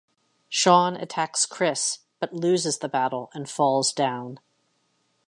Sean attacks Chris, but loses the battle, and falls down.